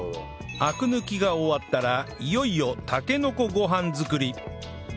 アク抜きが終わったらいよいよたけのこご飯作り